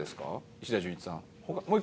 石田純一さん。